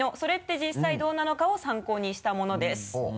実際どうなの課」を参考にしたものです。